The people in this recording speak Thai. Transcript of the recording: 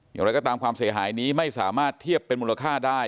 อย่างไรก็ตามความเสียหายนี้ไม่สามารถเทียบเป็นมูลค่าได้